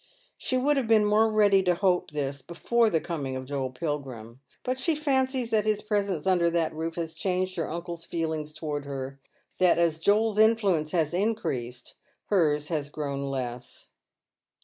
She would have been more ready to hope this before the coming of Joel Pilgrim, but she fancies that his presence imder that roof has changed her uncle's feelings towards her, that as Joel's influence has increased hers hasgrowa less.